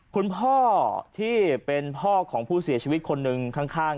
คุณพ่อที่เป็นพ่อของผู้เสียชีวิตคนหนึ่งข้าง